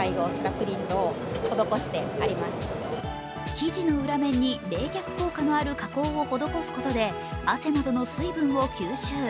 生地の裏側に冷却効果のある加工を施すことで汗などの水分を吸収。